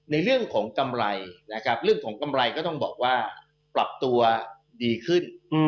ในเรื่องของกำไรก็ต้องบอกว่าปรับตัวดีขึ้น